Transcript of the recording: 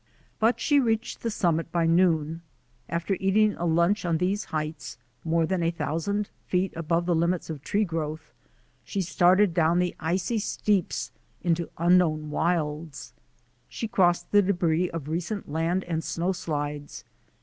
But she reached the summit by noon. After eating a lunch on these heights, more than a thousand feet above the limits of tree growth, she started down the icy steeps into unknown wilds. She crossed the debris of recent land and snow slides.